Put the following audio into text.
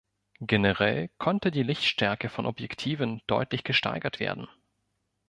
Generell konnte die Lichtstärke von Objektiven deutlich gesteigert werden.